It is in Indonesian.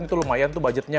itu lumayan tuh budgetnya